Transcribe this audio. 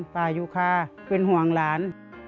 ป่ายุคาเป็นห่วงหลาน